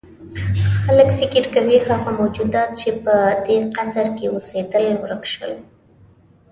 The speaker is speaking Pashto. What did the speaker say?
خلک فکر کوي هغه موجودات چې په دې قصر کې اوسېدل ورک شول.